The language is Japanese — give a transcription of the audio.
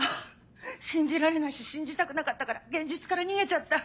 信じられないし信じたくなかったから現実から逃げちゃった。